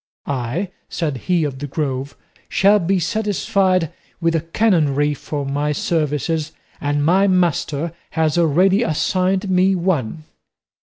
"I," said he of the Grove, "shall be satisfied with a canonry for my services, and my master has already assigned me one."